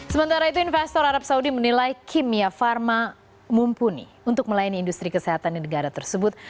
sementara itu investor arab saudi menilai kimia pharma mumpuni untuk melayani industri kesehatan di negara tersebut